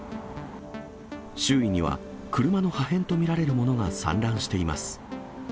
周囲には車の破片と見られるものが散乱しています。